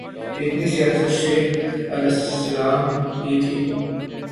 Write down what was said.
جتنی سیاست شیخ الاسلام کی تھی۔